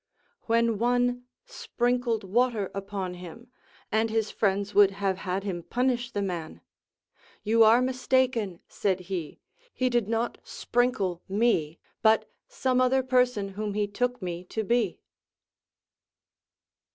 AVhen one sprinkled water upon him, and his friends would have had him punish the man. You are mistaken, said he, he did not sprinkle me, but some other person whom he took me to be.